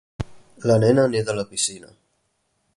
La nena neda a la piscina.